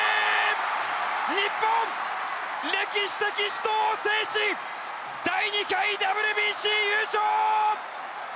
日本、歴史的死闘を制し第２回ＷＢＣ優勝！